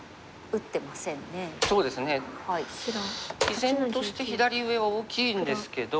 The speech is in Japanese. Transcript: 依然として左上は大きいんですけど。